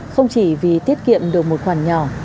không chỉ vì tiết kiệm được một khoản nhỏ